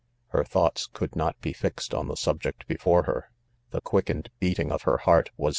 Her thoughts ■:jouM not be fixed on the subject before hex 3 the quickened heating of her heart was.